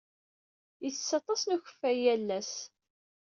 Itess aṭas n uyefki yal ass.